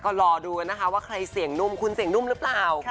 ก็รอดูกันนะคะว่าใครเสียงนุ่มคุณเสียงนุ่มหรือเปล่า